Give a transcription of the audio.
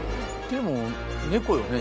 でも猫よね。